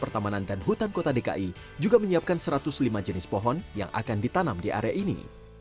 pertamanan dan hutan kota dki juga menyiapkan satu ratus lima jenis pohon yang akan ditanam di area ini